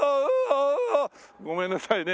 ごめんなさいね。